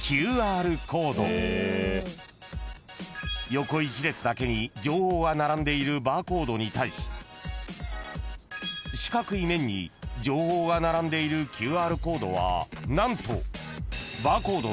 ［横一列だけに情報が並んでいるバーコードに対し四角い面に情報が並んでいるＱＲコードはなんと］